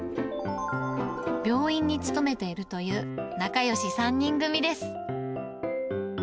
病院に勤めているという仲よし３人組です。